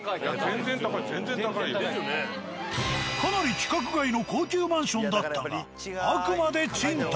かなり規格外の高級マンションだったがあくまで賃貸。